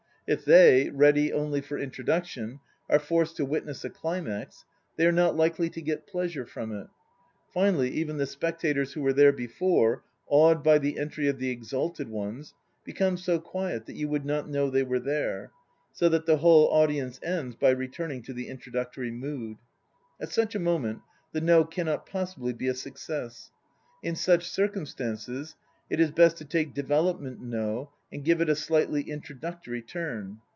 If they, ready only for Introduction, are forced to witness a Climax, they are not likely to get pleasure from it. Finally even the spectators who were there before, awed by the entry of the "exalted ones," become so quiet that you would not know they were there, so that the whole audience ends by returning to the Introductory mood. At such a moment the No cannot possibly be a success. In such circumstances it is best to take Development No and give it a slightly "introductory" turn.